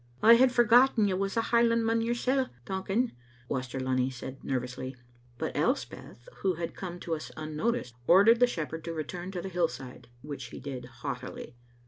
"I had forgotten you was a Highlandman yoursel', Duncan," Waster Lunny said nervously; but Elspeth, Digitized by VjOOQ IC who had come to us unnoticed, ordered the shepherd to return to the hillside, which he did haughtily.